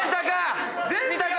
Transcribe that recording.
見たか！